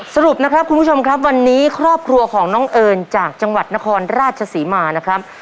สรุปนะครับคุณผู้ชมครับวันนี้ครอบครัวของน้องเอิญจากจังหวัดนครราชศรีมานะครับ